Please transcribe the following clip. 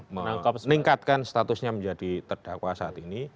meningkatkan statusnya menjadi terdakwa saat ini